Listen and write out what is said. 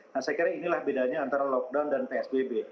nah saya kira inilah bedanya antara lockdown dan psbb